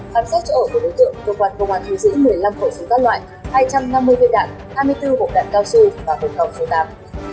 phán xét chỗ ở của đối tượng công an thủ giữ một mươi năm khẩu súng các loại hai trăm năm mươi viên đạn hai mươi bốn bộ đạn cao su và một khẩu súng tạm